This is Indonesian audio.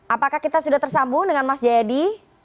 apakah kita sudah tersambung dengan mas jayadi